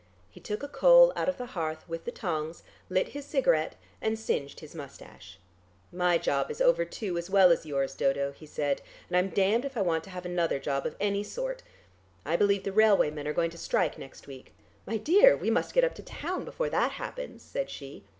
He took a coal out of the hearth with the tongs, lit his cigarette and singed his moustache. "My job is over too, as well as yours, Dodo," he said, "and I'm damned if I want to have another job of any sort. I believe the railwaymen are going to strike next week " "My dear, we must get up to town before that happens," said she.